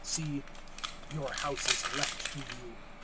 013:035 See, your house is left to you.